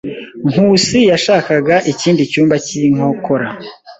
Nkusi yashakaga ikindi cyumba cy'inkokora.